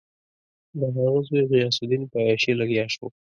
د هغه زوی غیاث الدین په عیاشي لګیا شو.